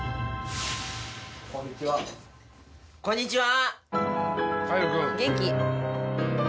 こんにちは。実は。